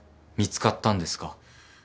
見つかったんですか？